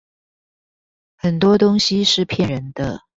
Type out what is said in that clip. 很多東西是騙人的